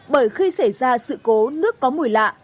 bởi khi xảy ra sự cố nước có mùi lạ